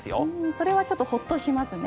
それはちょっとホッとしますね。